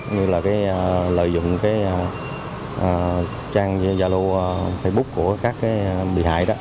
như là lợi dụng trang giao lưu facebook của các bị hại đó